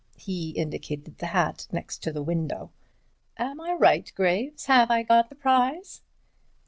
He indicated the hat next the window. "Am I right, Graves—have I got the prize?"